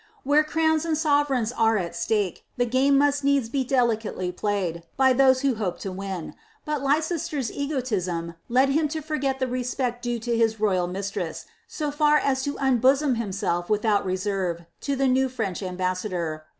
Where crowns and sovereigns are at stake, the game must needs be delicately played, by those who hope to win ; but Leicester's egotism ^ him to forget the respect due to his royal mistress, so far as to un born himself without reserve to the new French ambassador.